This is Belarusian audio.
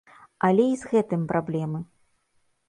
Але і з гэтым праблемы.